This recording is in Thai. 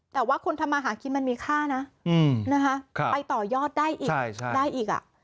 แต่ว่าคนทำมาหากินมันมีค่านะไปต่อยอดได้อีกได้อีก